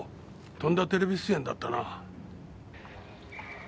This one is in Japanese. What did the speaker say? とんだテレビ出演だったな。